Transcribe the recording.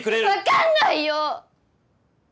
分かんないよ！